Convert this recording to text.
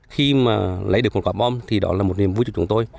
khi mà lấy được một quả bom thì đó là một niềm vui cho chúng tôi